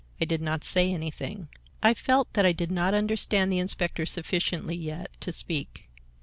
I did not say anything. I felt that I did not understand the inspector sufficiently yet to speak.